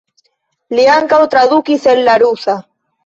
Li ankaŭ tradukis el la rusa.